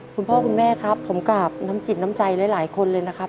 คุณพ่อคุณแม่ครับผมกราบน้ำจิตน้ำใจหลายคนเลยนะครับ